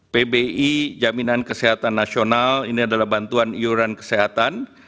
pbi jaminan kesehatan nasional ini adalah bantuan iuran kesehatan